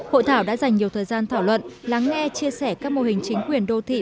hội thảo đã dành nhiều thời gian thảo luận lắng nghe chia sẻ các mô hình chính quyền đô thị